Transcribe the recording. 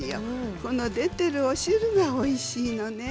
この出ているお汁がおいしいのね。